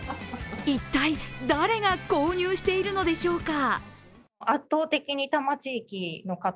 一体、誰が購入しているのでしょうか。